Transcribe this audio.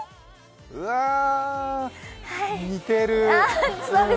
うぁ、似てる。